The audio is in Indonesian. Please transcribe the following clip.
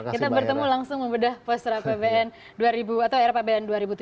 kita bertemu langsung membedah poster apbn atau rapbn dua ribu tujuh belas